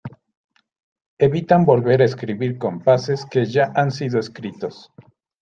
Evitan volver a escribir compases que ya han sido escritos.